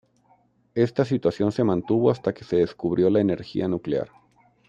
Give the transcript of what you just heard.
Esta situación se mantuvo hasta que se descubrió la energía nuclear.